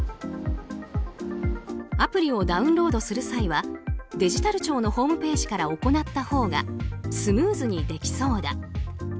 アプリをダウンロードする際はデジタル庁のホームページから行ったほうがスムーズにできそうだ。